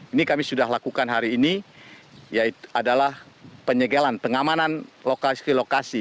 ini kami sudah lakukan hari ini adalah penyegelan pengamanan lokasi lokasi